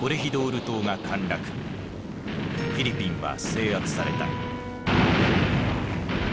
フィリピンは制圧された。